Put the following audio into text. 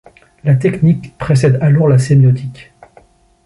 La technique précède alors la sémiotique.